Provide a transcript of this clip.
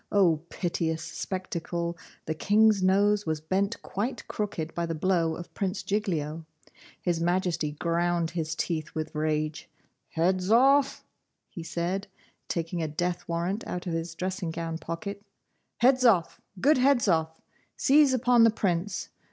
O piteous spectacle! the King's nose was bent quite crooked by the blow of Prince Giglio! His Majesty ground his teeth with rage. 'Hedzoff,' he said, taking a death warrant out of his dressing gown pocket, 'Hedzoff, good Hedzoff, seize upon the Prince.